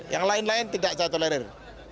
yang lain lain tidak saya tolerir